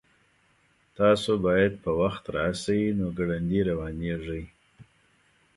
تاسو باید په وخت راشئ نو ګړندي روانیږئ